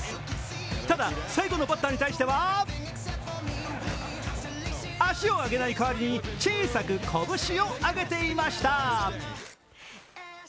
ただ、最後のバッターに対しては足を上げない代わりに小さく拳を上げていました。